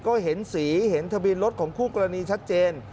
ก็เห็นสีเห็นทะเบียนรถของคู่กรณีชัดเจน